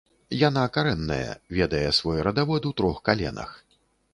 Яна карэнная, ведае свой радавод у трох каленах.